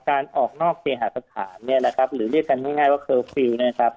การออกนอกเกตหาดสถานหรือเรียกกันง่ายว่าเคอร์ฟิล